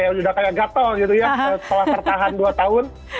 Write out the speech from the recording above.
udah kayak gatel gitu ya setelah tertahan dua tahun